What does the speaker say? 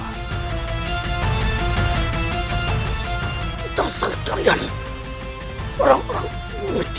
bagai agama richa richa dan kash